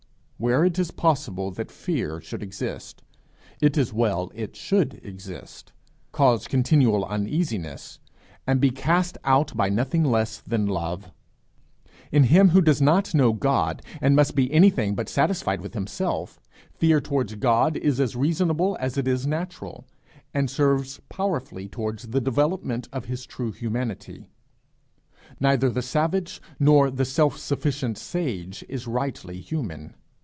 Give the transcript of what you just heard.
Where it is possible that fear should exist, it is well it should exist, cause continual uneasiness, and be cast out by nothing less than love. In him who does not know God, and must be anything but satisfied with himself, fear towards God is as reasonable as it is natural, and serves powerfully towards the development of his true humanity. Neither the savage, nor the self sufficient sage, is rightly human.